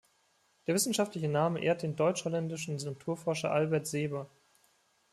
Der wissenschaftliche Name ehrt den deutsch-holländischen Naturforscher Albert Seba.